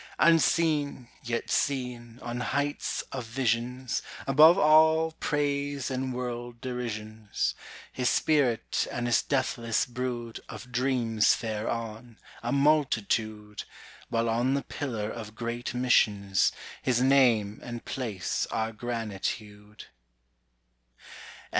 Unseen, yet seen, on heights of visions, Above all praise and world derisions, His spirit and his deathless brood Of dreams fare on, a multitude, While on the pillar of great missions His name and place are granite hewed.